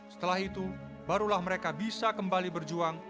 setelah itu barulah mereka bisa kembali berjuang